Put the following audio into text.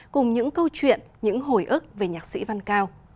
cùng những câu chuyện những hồi ức về nhạc sĩ văn cao